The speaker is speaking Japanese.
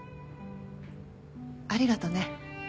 ありがとね。